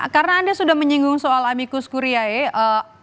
karena anda sudah menyinggung soal amicus curiae